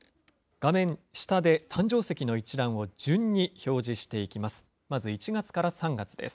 画面下で誕生石の一覧を順に表示していきます。